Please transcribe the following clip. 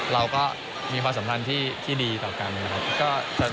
เราก็มีความสัมพันธ์ที่ดีต่อกันนะครับ